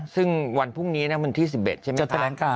ซึ่งวันพรุ่งนี้นะวันที่๑๑ใช่ไหม